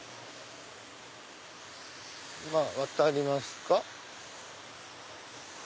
まぁ渡りますか。